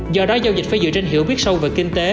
do đó giao dịch phải dựa trên hiểu biết sâu về kinh tế